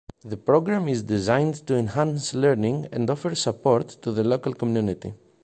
The program is designed to enhance learning and offer support to the local community.